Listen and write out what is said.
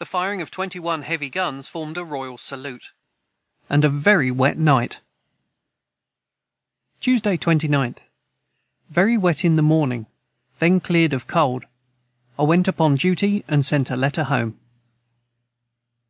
The firing of twenty one heavy guns formed a royal salute.] Tuesday 29th. Very wet in the Morning then cleared of cold I went upon duty and sent a Letter Home.